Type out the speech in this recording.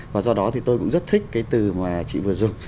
và do đó thì tôi cũng rất thích cái từ mà chị vừa dùng